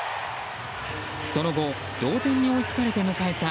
その後、同点に追いつかれて迎えた